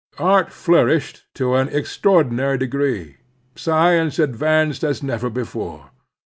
Art floiuished to an extraordinary degree ; science advanced as never before.